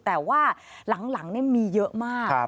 แต่ว่าหลังมีเยอะมาก